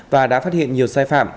và đã phát hiện nhiều sai phạm